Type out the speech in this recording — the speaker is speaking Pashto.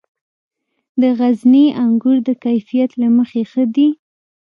د غزني انګور د کیفیت له مخې ښه دي.